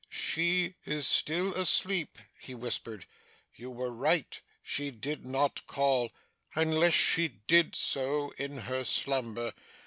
'She is still asleep,' he whispered. 'You were right. She did not call unless she did so in her slumber.